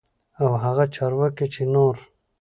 او هغه چارواکي چې نور